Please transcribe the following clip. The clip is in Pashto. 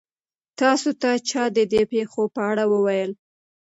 تاسو ته چا د دې پېښو په اړه وویل؟